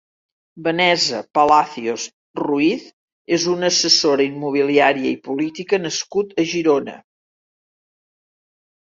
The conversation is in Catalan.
Vanesa Palacios Ruiz és un assessora immobiliària i política nascut a Girona.